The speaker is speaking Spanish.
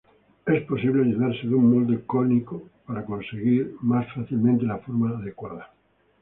Es posible ayudarse de un molde cónico para conseguir más fácilmente la forma adecuada.